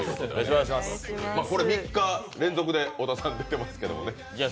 これ、３日連続で小田さん出ていますけどね。